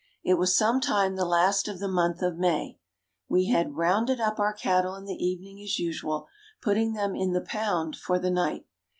It was some time the last of the month of May. We had "rounded up" our cattle in the evening as usual, putting them in the "pound" for the night.